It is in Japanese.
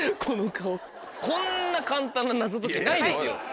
この顔こんな簡単な謎解きないですよ。